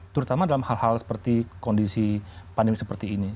terutama dalam hal hal seperti kondisi pandemi seperti ini